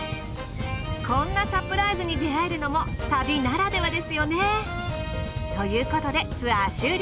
こんなサプライズに出会えるのも旅ならではですよね。ということでツアー終了。